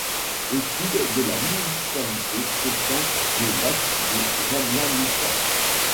Au sud de la municipalité s'étend le lac de Jablanica.